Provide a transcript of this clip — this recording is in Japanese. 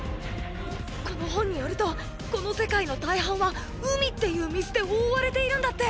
この本によるとこの世界の大半は「海」っていう水で覆われているんだって！